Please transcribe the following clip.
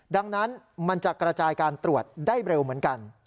ดังนั้นมันจะกระจายการตรวจได้เร็วเหมือนกัน